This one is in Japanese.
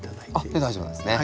あっ大丈夫なんですね。